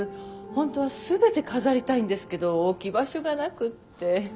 本当は全て飾りたいんですけど置き場所がなくって。